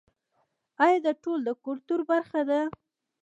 آیا دا ټول د کلتور برخه ده؟